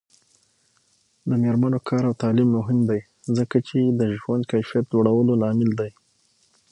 د میرمنو کار او تعلیم مهم دی ځکه چې ژوند کیفیت لوړولو لامل دی.